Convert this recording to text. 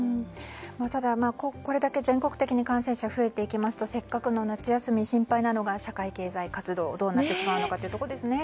ただ、これだけ全国的に感染者が増えていきますとせっかくの夏休み心配なのが社会経済活動どうなってしまうのかというところですね。